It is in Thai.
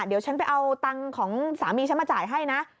เดี๋ยวฉันไปเอาตังค์ของสามีฉันมาจ่ายให้นะ